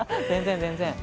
全然全然。